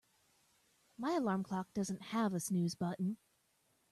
My alarm clock doesn't have a snooze button.